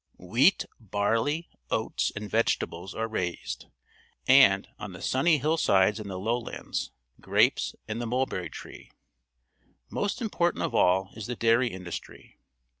Wheat, liarley, oats, and vegetables are raised, and, on the sunny hillsides in the lowlands, grapes and the mulberry tree. Most important of all is the dairy industry.